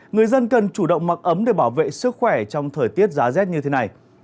người dân cần chủ động mặc ấm để bảo vệ sức khỏe trong thời tiết giá rét như thế này